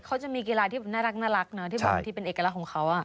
เขาจะมีกีฬาที่น่ารักนะที่แบบที่เป็นเอกลักษณ์ของเขา